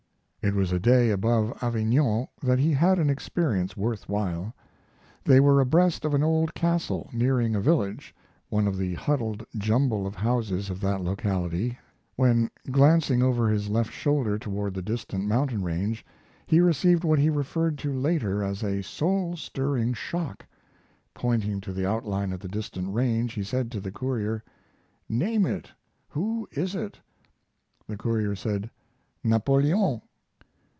It was a day above Avignon that he had an experience worth while. They were abreast of an old castle, nearing a village, one of the huddled jumble of houses of that locality, when, glancing over his left shoulder toward the distant mountain range, he received what he referred to later as a soul stirring shock. Pointing to the outline of the distant range he said to the courier: "Name it. Who is it?" The courier said, "Napoleon."